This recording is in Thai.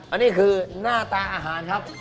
อันนี้คือหน้าตาอาหารครับ